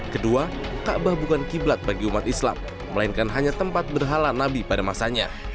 kedua ka'bah bukan kiblat bagi umat islam melainkan hanya tempat berhala nabi pada masanya